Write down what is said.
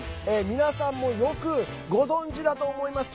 皆さんもよくご存じだと思います。